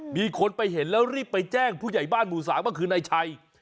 มีคนไปเห็นแล้วรีบไปแจ้งผู้ใหญ่บ้านหมู่๓ก็คือนายชัย